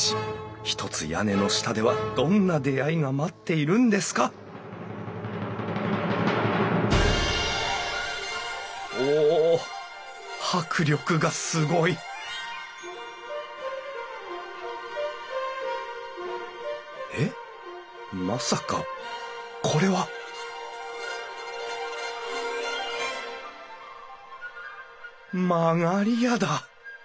ひとつ屋根の下ではどんな出会いが待っているんですかお迫力がすごいえっまさかこれは曲り家だ！